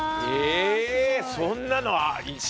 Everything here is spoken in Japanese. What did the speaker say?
えそんなの行く？